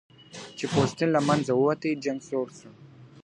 چي پوستين له منځه ووتى جنگ سوړ سو .